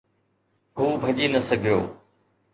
هو ڀڄي نه سگهيو.